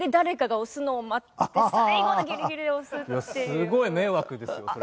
すごい迷惑ですよそれは。